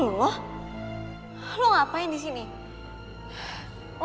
jadi lu bisa marah gadis kamu